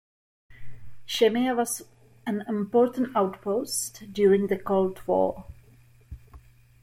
Shemya was an important outpost during the Cold War.